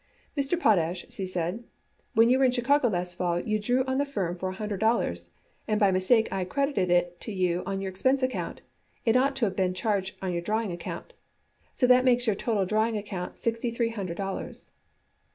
"Mr. Potash," she said, "when you were in Chicago last fall you drew on the firm for a hundred dollars, and by mistake I credited it to you on your expense account. It ought to have been charged on your drawing account. So that makes your total drawing account sixty three hundred dollars."